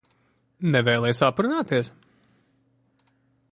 Nevēlies aprunāties?